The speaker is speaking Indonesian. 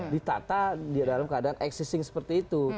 ditata dia dalam keadaan existing seperti itu